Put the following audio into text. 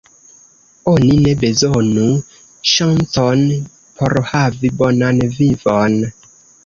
Oni ne bezonu ŝancon por havi bonan vivon.